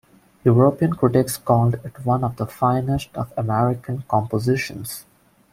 European critics called it one of the finest of American compositions.